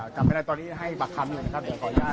จับไม่ได้ตอนนี้ให้ปากคำเลยนะครับเดี๋ยวขออนุญาต